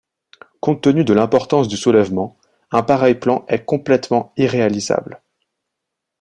Compte tenu de l'importance du soulèvement, un pareil plan est complètement irréalisable.